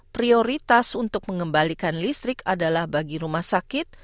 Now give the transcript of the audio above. prioritas untuk mengembalikan listrik adalah bagi rumah sakit